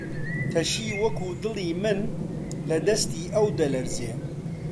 تەشی وەکو دڵی من، لە دەستی ئەو دەلەرزی